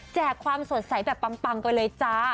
ความสดใสแบบปังไปเลยจ้า